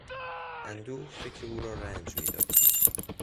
اندوه فکر او را رنج میداد.